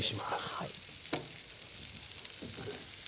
はい。